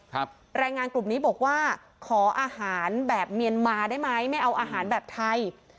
แรงงานกลุ่มนี้บอกว่าขออาหารแบบเมียนมาได้ไหมไม่เอาอาหารแบบไทย